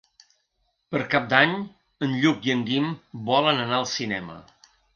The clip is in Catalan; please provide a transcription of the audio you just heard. Per Cap d'Any en Lluc i en Guim volen anar al cinema.